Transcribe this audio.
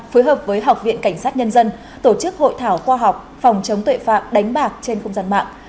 phối hợp với học viện cảnh sát nhân dân tổ chức hội thảo khoa học phòng chống tội phạm đánh bạc trên không gian mạng